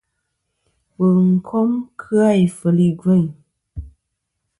Wul ncum kɨ-a ifel i ŋweni.